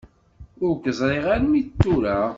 Ur k-ẓriɣ armi d tura.